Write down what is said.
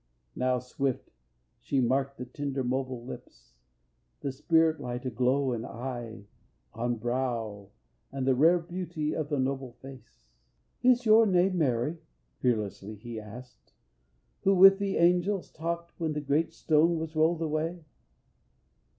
Now swift she marked the tender mobile lips, The spirit light aglow in eye, on brow, And the rare beauty of the noble face. "Is your name Mary," fearlessly he asked, "Who with the angels talked when the great stone Was rolled away?